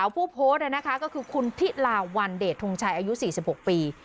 ผู้โพสต์แล้วนะคะก็คือคุณทิราวัลเดททงชายอายุ๔๖ปี